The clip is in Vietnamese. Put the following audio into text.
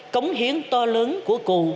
cống hiến to lớn của cụ